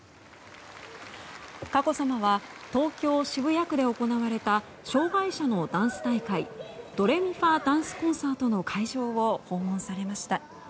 佳子さまは東京・渋谷区で行われた障害者のダンス大会ドレミファダンスコンサートの会場を訪問されました。